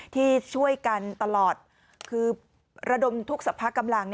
ที่ช่วยกันตลอดคือระดมทุกสภากำลัง